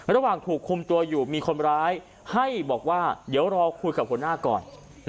ระหว่างถูกคุมตัวอยู่มีคนร้ายให้บอกว่าเดี๋ยวรอคุยกับหัวหน้าก่อน